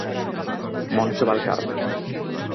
Moncho Valcarce.